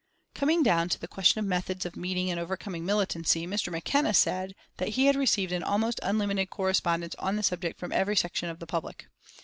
Coming down to the question of methods of meeting and overcoming militancy, Mr. McKenna said that he had received an almost unlimited correspondence on the subject from every section of the public.